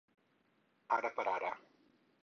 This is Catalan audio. Ara per ara.